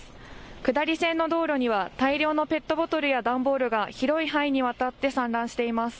下り線の道路には大量のペットボトルや段ボールが広い範囲にわたって散乱しています。